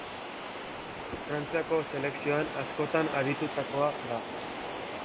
Frantziako selekzioan askotan aritutakoa da.